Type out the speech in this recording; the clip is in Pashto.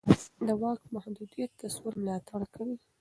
د واک محدودیت د سولې ملاتړ کوي